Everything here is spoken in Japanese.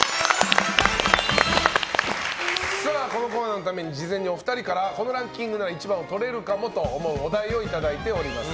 このコーナーのために事前にお二人から１番をとれるかもと思うお題をいただいております。